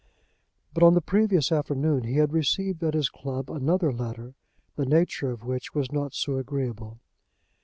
But on the previous afternoon he had received at his club another letter, the nature of which was not so agreeable.